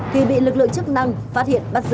thì bị lực lượng chức năng phát hiện bắt giữ